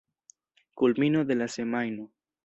Kulmino de la semajno.